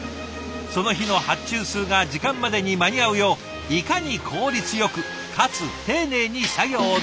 その日の発注数が時間までに間に合うよういかに効率よくかつ丁寧に作業できるか。